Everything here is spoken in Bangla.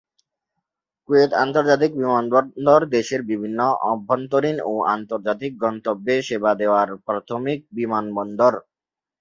কুয়েত আন্তর্জাতিক বিমানবন্দর দেশের বিভিন্ন অভ্যন্তরীণ ও আন্তর্জাতিক গন্তব্যে সেবা দেওয়ার প্রাথমিক বিমানবন্দর।